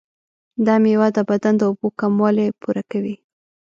دا میوه د بدن د اوبو کموالی پوره کوي.